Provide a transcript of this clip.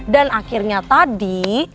dan akhirnya tadi